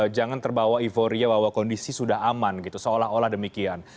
jangan terbawa euforia bahwa kondisi sudah aman gitu seolah olah demikian